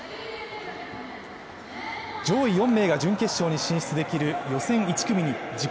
上位４名が準決勝に進出できる予選１組に自己